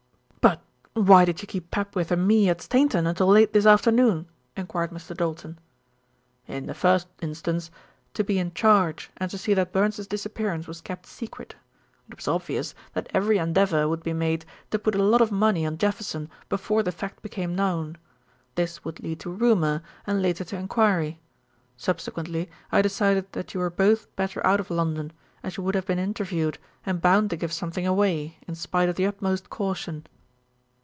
"But why did you keep Papwith and me at Stainton until late this afternoon?" enquired Mr. Doulton. "In the first instance, to be in charge and to see that Burns's disappearance was kept secret. It was obvious that every endeavour would be made to put a lot of money on Jefferson before the fact became known. This would lead to rumour, and later to enquiry. Subsequently I decided that you were both better out of London, as you would have been interviewed and bound to give something away, in spite of the utmost caution."